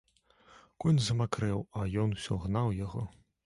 Конь замакрэў, а ён усё гнаў яго.